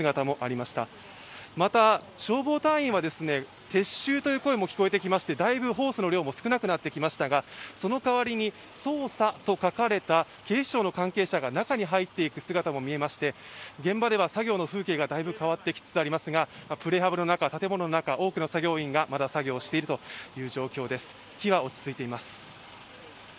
また、消防隊員は、撤収という声も聞こえてきまして、だいぶホースの量も少なくなってきましたが、そのかわりに捜査と書かれた警視庁の関係者が中に入っていく姿が見えてきて現場では作業の風景がだいぶ変わってきつつありますがプレハブの中、建物の中、多くの作業員がまだ作業しているという状況です、火は落ち着いています。